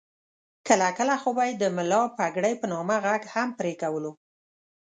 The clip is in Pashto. کله کله خو به یې د ملا پګړۍ په نامه غږ هم پرې کولو.